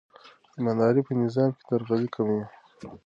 امانتداري په نظام کې درغلي کموي.